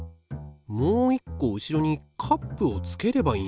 もう一個後ろにカップをつければいいんじゃない？